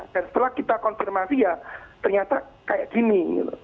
dan setelah kita konfirmasi ya ternyata kayak gini